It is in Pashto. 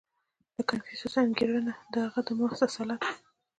• د کنفوسیوس انګېرنه د هغه د محض اصالت وه.